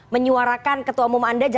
menyuarakan ketua umum anda